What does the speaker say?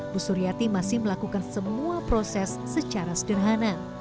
bu suryati masih melakukan semua proses secara sederhana